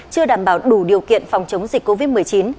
chưa đảm bảo đủ điều kiện phòng chống dịch covid một mươi chín